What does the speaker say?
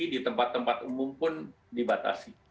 di tempat tempat umum pun dibatasi